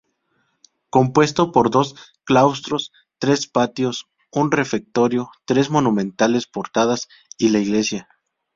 Compuesto por dos claustros, tres patios, un refectorio, tres monumentales portadas y la Iglesia.